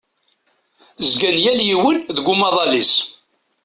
Zgan yal yiwen deg umaḍal-is.